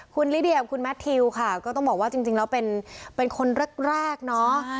คุณลิเดียกับคุณแมททิวค่ะก็ต้องบอกว่าจริงแล้วเป็นคนแรกเนาะ